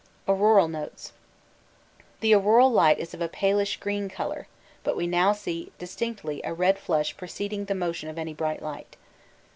Auroral Notes The auroral light is of a palish green colour, but we now see distinctly a red flush preceding the motion of any bright part.